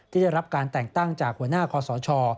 ได้รับการแต่งตั้งจากหัวหน้าคอสช